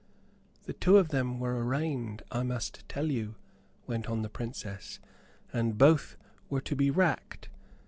"The two of them were arraigned, I must tell you," went on the Princess, "and both were to be racked.